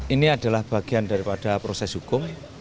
ini adalah bagian daripada proses hukum